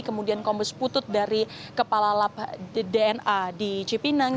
kemudian kombe seputut dari kepala dna di cipinang